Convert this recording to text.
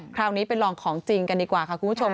คราวนี้ไปลองของจริงกันดีกว่าค่ะคุณผู้ชม